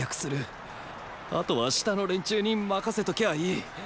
あとは下の連中に任せときゃいい。